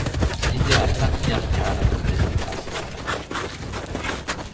L'idéal patriarcal devait se transformer.